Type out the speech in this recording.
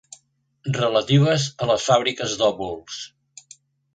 Relatives a les fàbriques d'òvuls.